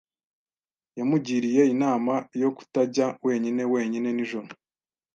Yamugiriye inama yo kutajya wenyine wenyine nijoro.